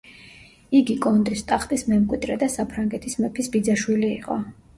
იგი კონდეს ტახტის მემკვიდრე და საფრანგეთის მეფის ბიძაშვილი იყო.